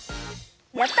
やった！